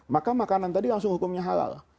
maka makanan tadi langsung hukumnya halal